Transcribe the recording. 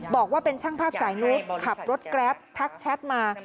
บอกว่าเป็นช่างภาพสายนุษย์ขับรถแกรปทักแชทมา